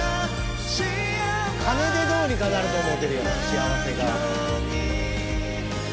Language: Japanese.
金でどうにかなると思うてるやろ幸せが。